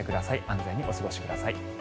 安全にお過ごしください。